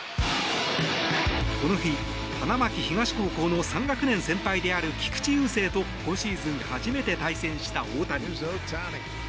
この日、花巻東高校の３学年先輩である菊池雄星と今シーズン初めて対戦した大谷。